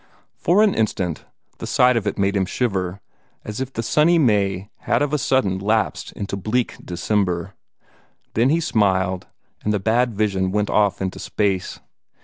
For an instant, the sight of it made him shiver, as if the sunny May had of a sudden lapsed back into bleak December. Then he smiled, and the bad vision went off into space.